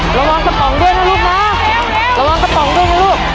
ระวังกระป๋องด้วยนะลูกนะระวังกระป๋องด้วยนะลูก